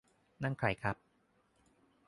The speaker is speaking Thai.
นั่นใครครับ